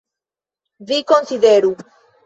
Vi konsideru!